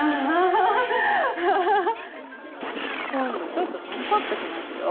ちょっとテンポアップしますよ。